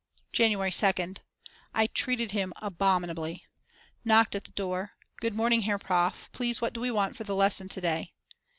January 2nd. I treated him abominably. Knocked at the door Good morning, Herr Prof. please what do we want for the lesson to day?